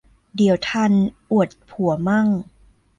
เดี๋ยวทันอวดผัวมั่ง